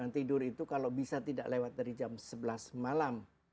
tidur itu kalau bisa tidak lewat dari jam sebelas malam